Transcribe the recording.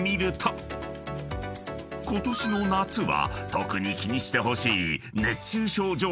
［ことしの夏は特に気にしてほしい］